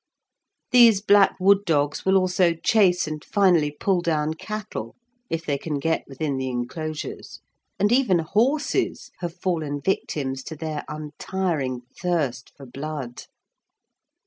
These black wood dogs will also chase and finally pull down cattle, if they can get within the enclosures, and even horses have fallen victims to their untiring thirst for blood.